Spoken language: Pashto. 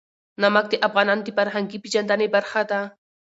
نمک د افغانانو د فرهنګي پیژندنې برخه ده.